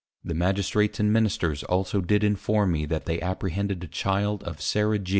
The Magistrates and Ministers also did inform me, that they apprehended a Child of _Sarah G.